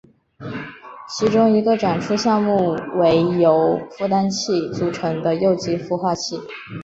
其中一个展出项目为由孵蛋器组成的幼鸡孵化器。